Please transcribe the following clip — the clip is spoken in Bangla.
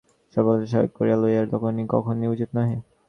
ধর্মকে বর্তমান যুগের ইন্দ্রিয়-সর্বস্বতার সহায়ক করিয়া লওয়া কখনই উচিত নহে।